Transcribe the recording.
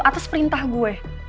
atas perintah gue